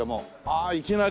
ああいきなり。